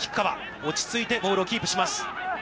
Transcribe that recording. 落ち着いてボールをキープします。